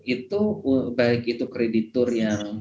itu baik itu kreditur yang